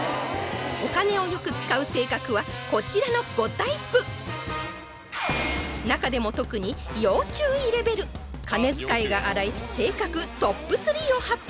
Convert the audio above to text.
お金をよく使う性格はこちらの５タイプ中でも特に要注意レベル金遣いが荒い性格トップ３を発表